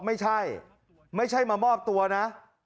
ไม่ใช่ไม่ใช่มามอบตัวนะ